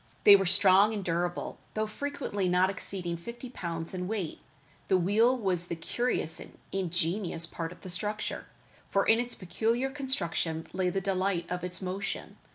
They were strong and durable, though frequently not exceeding fifty pounds in weight. The wheel was the curious and ingenious part of the structure, for in its peculiar construction lay the delight of its motion.